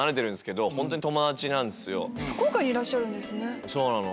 福岡にいらっしゃるんですね。